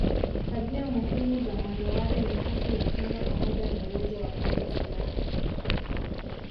Tabia muhimu za manowari ni kasi na kinga pamoja na uwezo wa kubeba silaha.